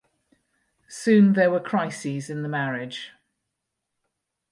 Soon there were crises in the marriage.